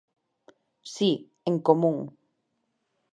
Si, en común.